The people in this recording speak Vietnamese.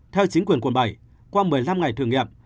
theo chính quyền quận bảy qua một mươi năm ngày thử nghiệm